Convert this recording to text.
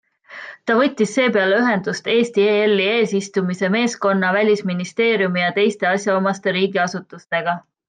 Ta võttis seepeale ühendust Eesti ELi eesistumise meeskonna, välisministeeriumi ja teiste asjaomaste riigiasutustega.